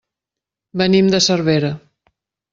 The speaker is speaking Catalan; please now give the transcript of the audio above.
Venim de Cervera.